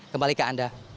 kembali ke anda